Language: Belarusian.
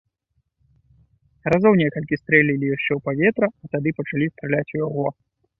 Разоў некалькі стрэлілі яшчэ ў паветра, а тады пачалі страляць у яго.